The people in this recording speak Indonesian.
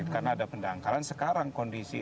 karena ada pendangkalan sekarang kondisi